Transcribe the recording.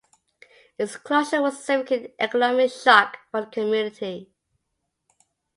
Its closure was a significant economic shock for the community.